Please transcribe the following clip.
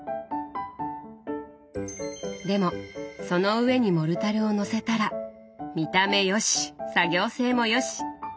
でもその上にモルタルを載せたら見た目よし作業性もよし！